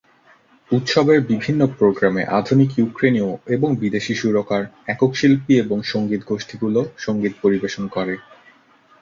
উৎসবের বিভিন্ন প্রোগ্রামে আধুনিক ইউক্রেনীয় এবং বিদেশী সুরকার, একক শিল্পী এবং সংগীত গোষ্ঠীগুলি সংগীত পরিবেশন করে।